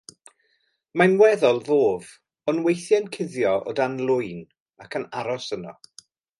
Mae'n weddol ddof, ond weithiau'n cuddio o dan lwyn ac yn aros yno.